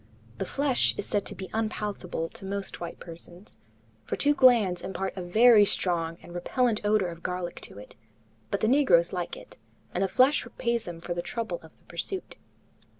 The flesh is said to be unpalatable to most white persons, for two glands impart a very strong and repellent odor of garlic to it, but the negroes like it, and the flesh repays them for the trouble of the pursuit.